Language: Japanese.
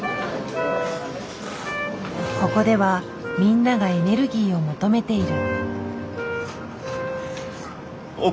ここではみんながエネルギーを求めている。